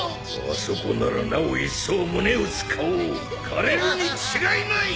あそこならなお一層胸打つ顔を狩れるに違いない！